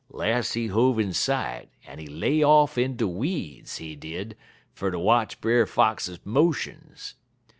Las' he hove in sight, en he lay off in de weeds, he did, fer ter watch Brer Fox motions.